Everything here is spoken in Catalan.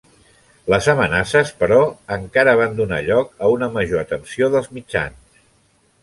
Les amenaces, però, encara van donar lloc a una major atenció dels mitjans.